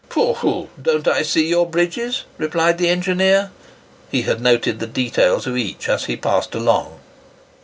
"Pooh! pooh! don't I see your bridges?" replied the engineer. He had noted the details of each as he passed along.